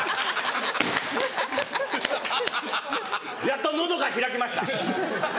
やっと喉が開きました。